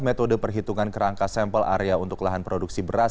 metode perhitungan kerangka sampel area untuk lahan produksi beras